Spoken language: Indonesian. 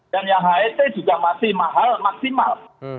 dan yang hit juga masih mahal maksimal